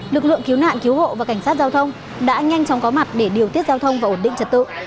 lực lượng cứu nạn cứu hộ và cảnh sát giao thông đã nhanh chóng có mặt để điều tiết giao thông và ổn định trật tự